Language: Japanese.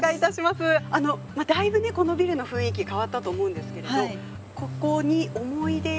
あのだいぶねこのビルの雰囲気変わったと思うんですけれどここに思い出深い場所だとここが。